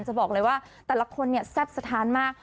จะบอกเลยว่าแต่ละคนเนี่ยแซ่บสะทานมาก